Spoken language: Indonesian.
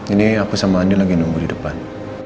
ini aku sama andi lagi nunggu di depan